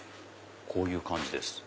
こういう感じです。